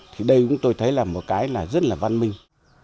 thì đây cũng tôi thấy là một cái rất là văn minh